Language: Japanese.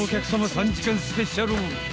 ３時間スペシャル。